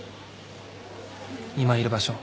今いる場所